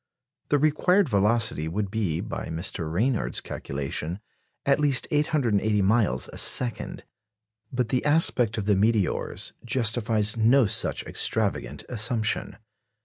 The required velocity would be, by Mr. Ranyard's calculation, at least 880 miles a second. But the aspect of the meteors justifies no such extravagant assumption.